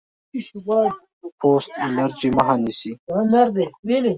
پوست الرجي مخه نیسي.